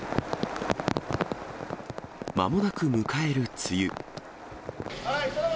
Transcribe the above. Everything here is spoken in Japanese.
まもなく迎える梅雨。